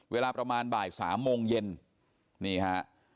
เวลาประมาณ๓โมงเย็นนี่ฮะ